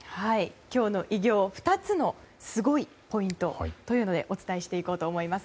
今日の偉業を２つのすごいポイントというのでお伝えしていこうと思います。